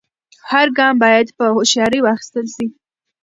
هر ګام باید په هوښیارۍ واخیستل سي.